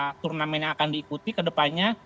dari beberapa turnamen yang akan diikuti ke depannya